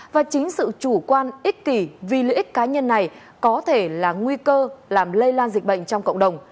và chính sự chủ quan ích kỷ vì lợi ích cá nhân này có thể là nguy cơ làm lây lan dịch bệnh trong cộng đồng